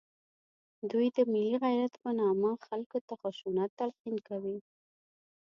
دوی د ملي غیرت په نامه خلکو ته خشونت تلقین کوي